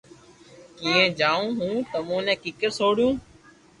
ڪيئي جايو ھون تمو ني ڪيڪر سوڙيو